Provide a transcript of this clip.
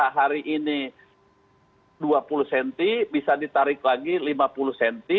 hari ini dua puluh cm bisa ditarik lagi lima puluh cm